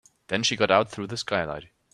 Then she got out through the skylight.